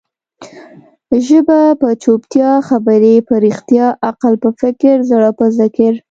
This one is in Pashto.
ژبه په چوپتيا، خبري په رښتیا، عقل په فکر، زړه په ذکر.